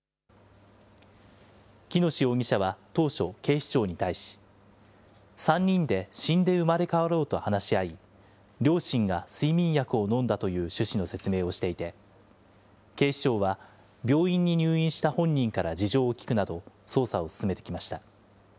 喜熨斗容疑者は当初、警視庁に対し、３人で死んで生まれ変わろうと話し合い、両親が睡眠薬を飲んだという趣旨の説明をしていて、警視庁は病院に入院した本人から事情を聴くなど、捜査を進めてきました。